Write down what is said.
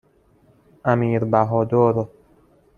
امیربهادر